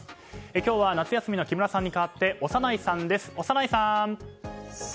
今日は夏休みの木村さんに代わって小山内さんです。